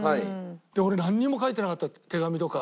で俺なんにも書いてなかった手紙とか。